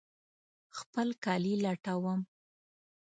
خپل کالي لټوم